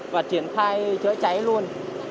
và triển khai chữa cháy luôn